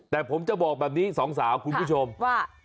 แต่ผมจะบอกแบบนี้สองสาวคุณผู้ชมว่า